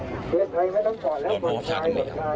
ตำรวจมีบาทเจ็บหรือเปล่าครับ